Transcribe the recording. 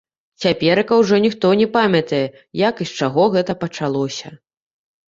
Цяперака ўжо ніхто не памятае, як і з чаго гэта пачалося.